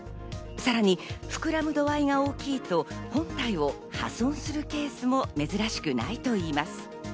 さらに膨らむ度合いが大きいと本体を破損するケースも珍しくないといいます。